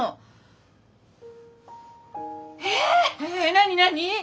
何何？